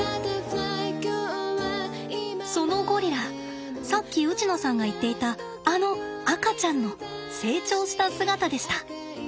そのゴリラさっきウチノさんが言っていたあの赤ちゃんの成長した姿でした。